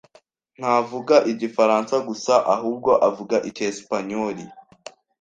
Ntavuga igifaransa gusa, ahubwo avuga icyesipanyoli.